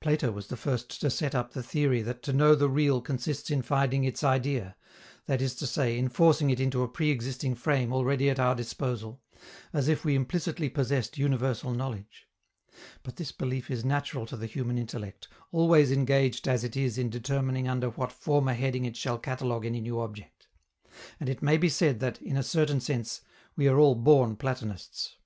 Plato was the first to set up the theory that to know the real consists in finding its Idea, that is to say, in forcing it into a pre existing frame already at our disposal as if we implicitly possessed universal knowledge. But this belief is natural to the human intellect, always engaged as it is in determining under what former heading it shall catalogue any new object; and it may be said that, in a certain sense, we are all born Platonists.